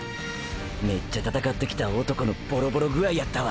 メッチャ闘ってきた男のボロボロ具合やったわ！！